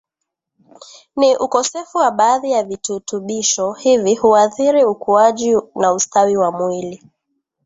ni ukosefu wa baadhi ya vitutubisho hivi huadhiri ukuaji na ustawi wa mwili